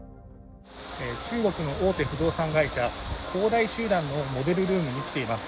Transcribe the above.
中国の大手不動産会社、恒大集団のモデルルームにきています。